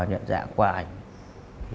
nhận dạng qua ảnh